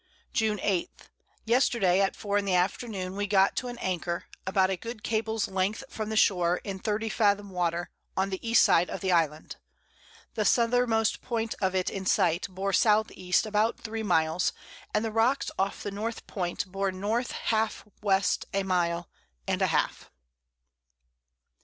June 8. Yesterday at 4 in the Afternoon we got to an Anchor, about a good Cable's Length from the Shore in 30 Fathom Water, on the East side of the Island; the Southermost point of it in sight bore S. E. about 3 Miles, and the Rocks off the North Point bore N. half W. a Mile and a half.